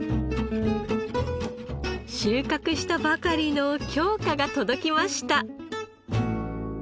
収穫したばかりの京香が届きました。